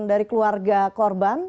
dari keluarga korban